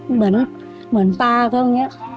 เหมือนปลาเขาอย่างนี้